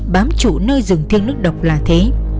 bám chủ nơi rừng thiêng nước độc là thế